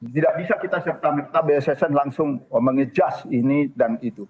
tidak bisa kita serta merta bssn langsung mengejus ini dan itu